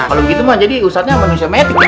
kalau gitu jadi ustaznya manusia metik